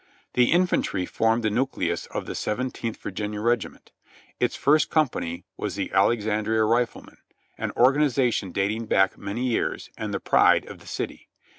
The infantry formed the nucleus of the Seventeenth Virginia Regiment. Its first company was the Alexandria Riflemen, an organization dating back many years, and the pride of the city.